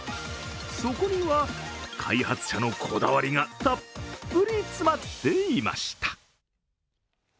そこには開発者のこだわりがたっぷり詰まっていました。